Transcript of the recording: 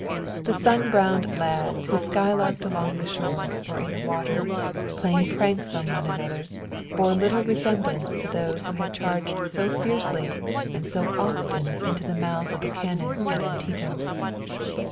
The sun browned lads who skylarked along the shores or in the water, playing pranks on one another, bore little resemblance to those who had charged so fiercely and so often into the mouths of the cannon at Antietam.